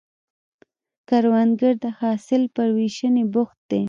کروندګر د حاصل پر ویشنې بوخت دی